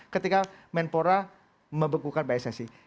ketika kemenpora mebekukan pssi